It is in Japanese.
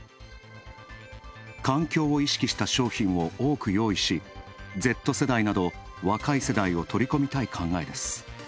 環境を意識した商品を多く用意しＺ世代など若い世代を取り込みたい考えです。